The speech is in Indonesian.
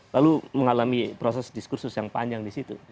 lalu mengalami proses diskursus yang panjang di situ